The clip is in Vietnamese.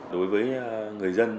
đối với người dân